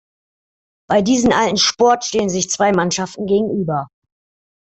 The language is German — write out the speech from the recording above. Bei diesem alten Sport stehen sich zwei Mannschaften gegenüber.